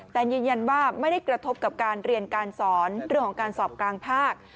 แต่ยืนยันว่าไม่ได้กระทบกับการเรียนการสอนเรื่องของการสอบกลางภาค